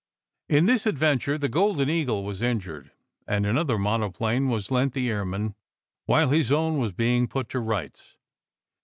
In this adventure the Golden Eagle was injured, and another monoplane was lent the air man while his own was being put to rights.